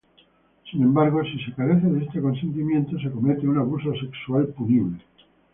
Sin embargo, si se carece de este consentimiento, se comete un abuso sexual punible.